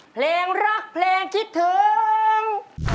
เพลงรักเพลงคิดถึง